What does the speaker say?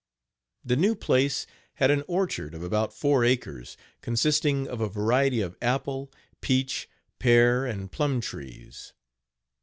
The new place had an orchard of about four acres, consisting of a variety of apple, peach, pear and plum trees.